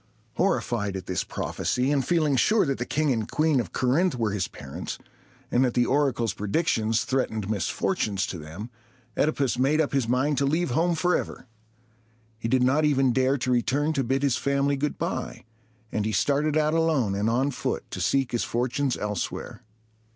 Horrified at this prophecy, and feeling sure that the King and Queen of Corinth were his parents, and that the oracle's predictions threatened misfortunes to them, OEdipus made up his mind to leave home forever. He did not even dare to return to bid his family good by, and he started out alone and on foot to seek his fortunes elsewhere.